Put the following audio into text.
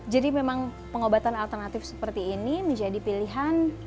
jadi memang pengobatan alternatif seperti ini menjadi pilihan